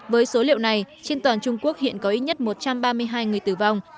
với số liệu này trên toàn trung quốc hiện có ít nhất một trăm ba mươi hai người tử vong